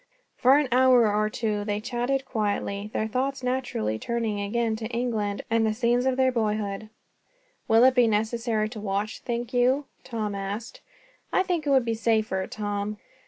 For an hour or two they chatted quietly, their thoughts naturally turning again to England, and the scenes of their boyhood. "Will it be necessary to watch, think you?" Tom asked. "I think it would be safer, Tom.